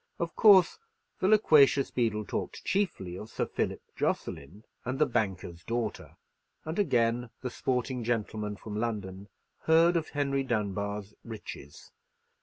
Of course the loquacious beadle talked chiefly of Sir Philip Jocelyn and the banker's daughter; and again the sporting gentleman from London heard of Henry Dunbar's riches.